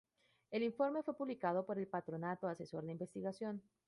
El informe fue publicado por el Patronato Asesor de Investigación.